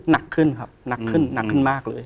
หนักขึ้นครับหนักขึ้นหนักขึ้นมากเลย